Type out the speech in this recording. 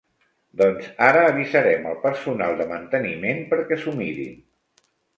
Doncs ara avisarem al personal de manteniment perquè s'ho mirin.